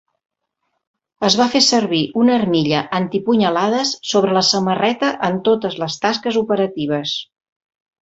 Es va fer servir una armilla antipunyalades sobre la samarreta en totes les tasques operatives.